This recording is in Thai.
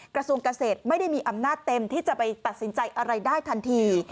กระทรวงเกษตรไม่ได้มีอำนาจเต็มที่จะไปตัดสินใจอะไรได้ทันที